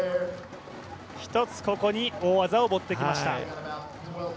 １つここに大技を持ってきました。